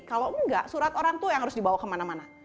kalau enggak surat orang tua yang harus dibawa kemana mana